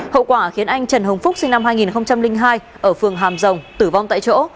hậu quả khiến anh trần hồng phúc sinh năm hai nghìn hai ở phường hàm rồng tử vong tại chỗ